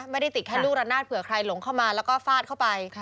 ไม่ได้ติดแค่ลูกละนาดเผื่อใครหลงเข้ามาแล้วก็ฟาดเข้าไป